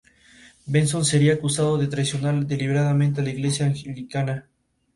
Actualmente es director del Princeton Center for Theoretical Science.